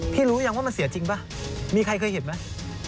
พี่รู้อย่างว่ามันเสียจริงป่ะมีใครเคยเห็นมั้ย